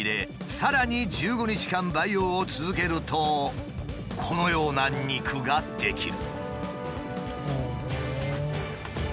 さらに１５日間培養を続けるとこのような肉が出来る。